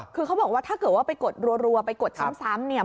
คือเขาบอกว่าถ้าเกิดว่าไปกดรัวไปกดซ้ำเนี่ย